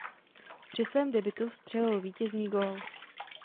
Při svém debutu vstřelil vítězný gól.